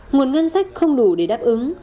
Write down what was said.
nguồn ngân sách không đủ để đáp ứng